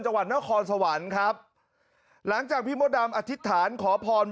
จังหวัดนครสวรรค์ครับหลังจากพี่มดดำอธิษฐานขอพร